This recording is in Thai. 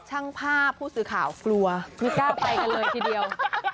ช่างภาพผู้สื่อข่าวกลัวไม่กล้าไปกันเลยทีเดียว